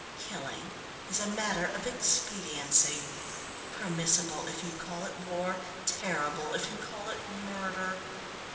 Killing is a matter of expediency. Permissible if you call it war, terrible if you call it murder.